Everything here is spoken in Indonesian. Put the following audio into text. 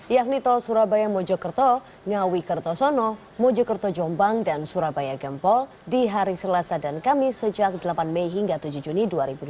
yakni tol surabaya mojokerto ngawi kertosono mojokerto jombang dan surabaya gempol di hari selasa dan kamis sejak delapan mei hingga tujuh juni dua ribu dua puluh